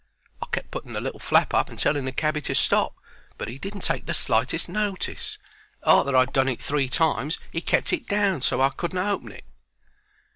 I kept putting the little flap up and telling the cabby to stop, but he didn't take the slightest notice. Arter I'd done it three times he kept it down so as I couldn't open it.